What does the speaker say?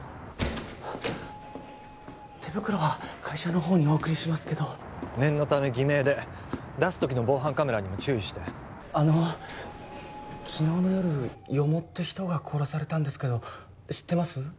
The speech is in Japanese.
手袋は会社の方にお送りしますけど念のため偽名で出す時の防犯カメラにも注意してあの昨日の夜四方って人が殺されたんですけど知ってます？